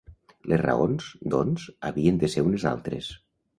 Les raons, doncs, havien de ser unes altres.